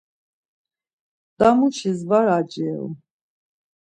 Damuşis var aceru.